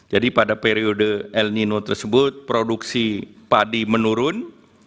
jadi pada periode el nino tersebut produksi padi menurun